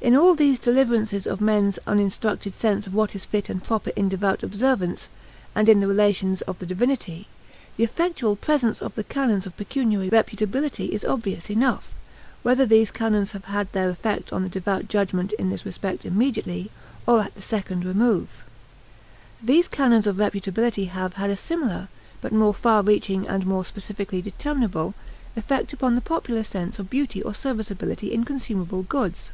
In all these deliverances of men's uninstructed sense of what is fit and proper in devout observance and in the relations of the divinity, the effectual presence of the canons of pecuniary reputability is obvious enough, whether these canons have had their effect on the devout judgment in this respect immediately or at the second remove. These canons of reputability have had a similar, but more far reaching and more specifically determinable, effect upon the popular sense of beauty or serviceability in consumable goods.